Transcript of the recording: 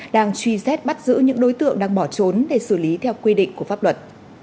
đang truy xét bắt giữ những đối tượng đang bỏ trốn để xử lý theo quy định của pháp luật